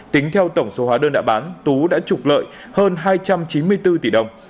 tính theo tổng số hóa đơn đã bán tú đã trục lợi hơn hai trăm chín mươi bốn tỷ đồng